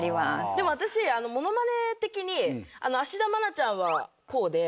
でも私物まね的に芦田愛菜ちゃんはこうで。